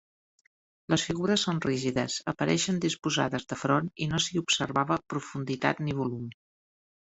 Les figures són rígides, apareixen disposades de front i no s'hi observava profunditat ni volum.